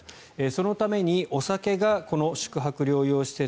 そのためにお酒がこの宿泊療養施設